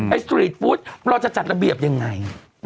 สตรีทฟู้ดเราจะจัดระเบียบยังไง